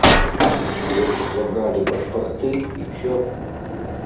Вось забралі пашпарты, і ўсё.